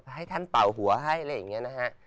ให้ท่านเป่าหัวให้อะไรอย่างนี้นะฮะ